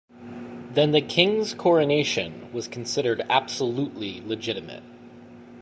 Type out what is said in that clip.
Then the King's coronation was considered absolutely legitimate.